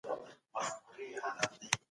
څنګه کولای سو چي ښه کوډ ولیکو؟